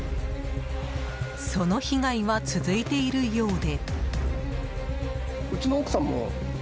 その被害は続いているようで。